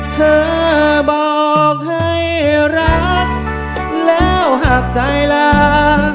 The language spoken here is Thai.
เธอบอกให้รักแล้วหากใจลา